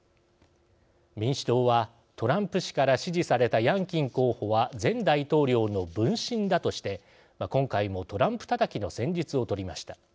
民主党はトランプ氏から支持されたヤンキン候補は前大統領の分身だとして今回もトランプたたきの戦術をとりました。